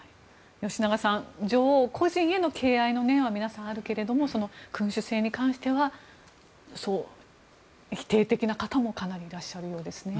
吉永さん女王個人への敬愛の念は皆さんあるけれども君主制に関しては否定的な方もかなりいらっしゃるようですね。